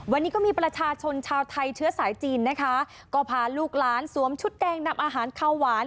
วันนี้ก็มีประชาชนชาวไทยเชื้อสายจีนนะคะก็พาลูกหลานสวมชุดแดงนำอาหารข้าวหวาน